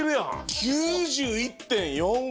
９１．４５。